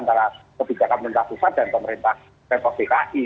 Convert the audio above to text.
antara kebijakan pemerintah pusat dan pemerintah dki